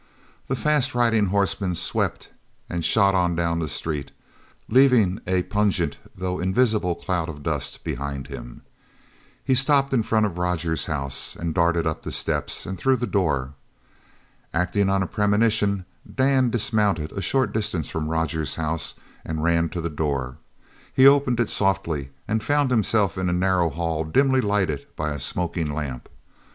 The fast riding horseman swept and shot on down the street, leaving a pungent though invisible cloud of dust behind him. He stopped in front of Rogers's house and darted up the steps and through the door. Acting upon a premonition, Dan dismounted a short distance from Rogers's house and ran to the door. He opened it softly and found himself in a narrow hall dimly lighted by a smoking lamp.